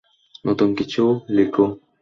নতুন কিছু লিখো।